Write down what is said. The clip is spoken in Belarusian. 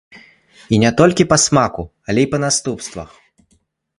І не толькі па смаку, але і па наступствах.